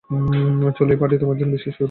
চলো, এই পার্টি তোমার জন্য, এবং বিশেষ অতিথিরাও।